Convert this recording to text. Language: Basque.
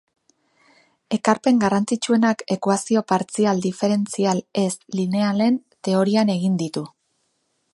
Ekarpen garrantzitsuenak ekuazio partzial diferentzial ez-linealen teorian egin ditu.